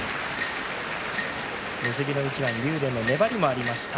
結びの一番竜電の粘りがありました。